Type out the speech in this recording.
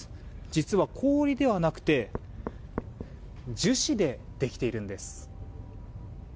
実は、氷ではなくて樹脂でできているんです。